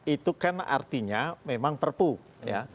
itu kan artinya memang perpu ya